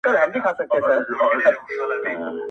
• په منطق دي نه پوهېږي دا غویی دی -